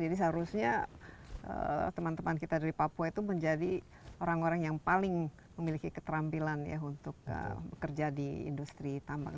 jadi seharusnya teman teman kita dari papua itu menjadi orang orang yang paling memiliki keterampilan untuk bekerja di industri tambang